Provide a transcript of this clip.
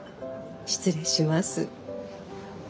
失礼します。